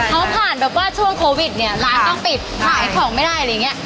เขาผ่านแบบว่าช่วงโควิดเนี่ยร้านต้องปิดขายของไม่ได้อะไรอย่างเงี้ย